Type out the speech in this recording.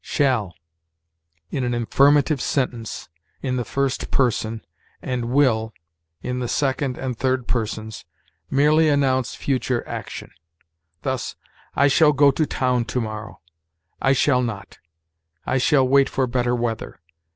SHALL, in an affirmative sentence, in the first person, and WILL in the second and third persons, merely announce future action. Thus, "I shall go to town to morrow." "I shall not; I shall wait for better weather."